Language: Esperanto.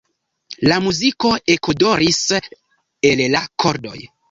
La muziko ekodoris el la kordoj.